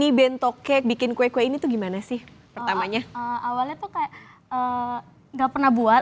di bentoke bikin kue kue ini tuh gimana sih pertamanya awalnya tuh kayak nggak pernah buat